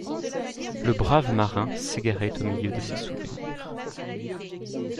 Le brave marin s'égarait au milieu de ses souvenirs.